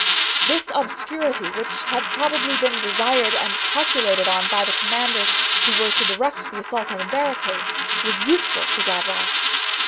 This obscurity, which had probably been desired and calculated on by the commanders who were to direct the assault on the barricade, was useful to Gavroche.